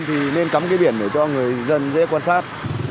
thì nên cắm cái biển để cho người dân dễ quan sát